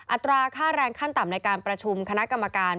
อัตราค่าแรงขั้นต่ำในการประชุมคณะกรรมการ